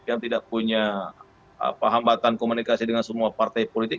yang tidak punya hambatan komunikasi dengan semua partai politik